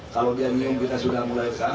kalau dia nyium kita sudah mulai kesan